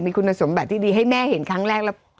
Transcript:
มีคุณสมบัติที่ดีให้แม่เห็นครั้งแรกแล้ว